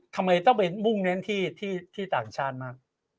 ทำไมต้องไปมุ่งเน้นที่ต่างชาติมาก